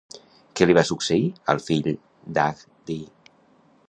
Què li va succeir al fill d'Haddi?